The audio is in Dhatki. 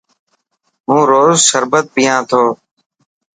هون روز شربت پيان ٿو.